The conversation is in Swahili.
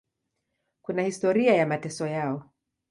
Kuna historia ya mateso yao.